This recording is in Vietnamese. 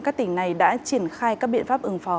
các tỉnh này đã triển khai các biện pháp ứng phó